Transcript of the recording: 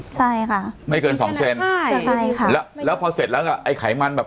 ใช่ค่ะไม่เกินสองเซนใช่ใช่ค่ะแล้วแล้วพอเสร็จแล้วก็ไอ้ไขมันแบบ